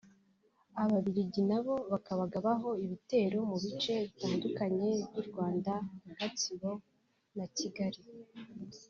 Ababiligi nabo bakabagabaho ibitero mu bice bitandukanye by’u Rwanda nka Gatsibo na Kigali